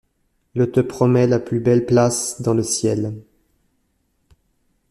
Ie te promets la plus belle place dans le ciel!...